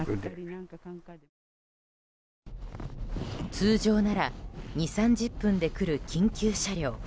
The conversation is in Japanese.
通常なら２０３０分で来る緊急車両。